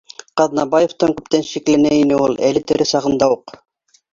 Ҡаҙнабаевтан күптән шикләнә ине ул, әле тере сағында уҡ